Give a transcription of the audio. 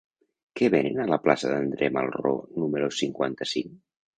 Què venen a la plaça d'André Malraux número cinquanta-cinc?